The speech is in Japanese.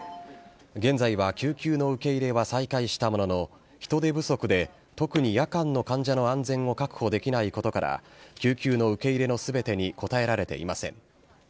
現在は救急の受け入れは再開したものの、人手不足で特に夜間の患者の安全を確保できないことから、救急の受け入れのすべてに応えられていません。